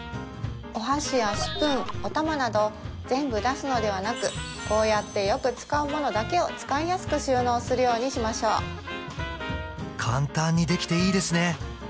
お箸やスプーンおたまなど全部出すのではなくこうやってよく使う物だけを使いやすく収納するようにしましょう簡単にできていいですね